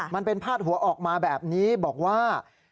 มันเป็นพาดหัวออกมาแบบนี้บอกว่า